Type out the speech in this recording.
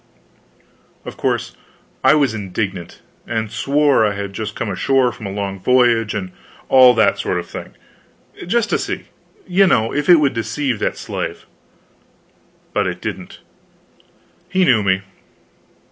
Of course, I was indignant, and swore I had just come ashore from a long voyage, and all that sort of thing just to see, you know, if it would deceive that slave. But it didn't. He knew me.